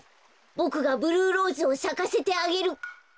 ボクがブルーローズをさかせてあげる！